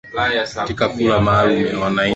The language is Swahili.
Katika kura maalumu ya wananchi kuhusu katiba